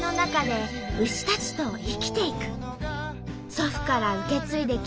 祖父から受け継いできた思いです。